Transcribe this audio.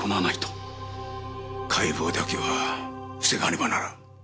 解剖だけは防がねばならん。